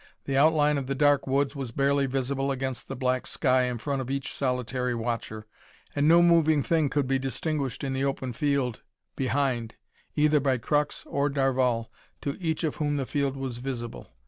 The outline of the dark woods was barely visible against the black sky in front of each solitary watcher, and no moving thing could be distinguished in the open field behind either by Crux or Darvall, to each of whom the field was visible.